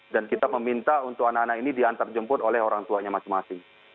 dan kita meminta untuk anak anak ini diantar jemput oleh orang tuanya masing masing